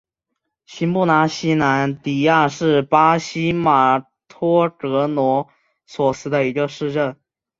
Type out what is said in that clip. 新布拉西兰迪亚是巴西马托格罗索州的一个市镇。